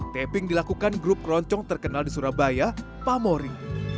taping dilakukan grup keroncong terkenal di surabaya pamori